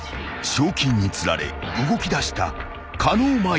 ［賞金に釣られ動きだした狩野舞子］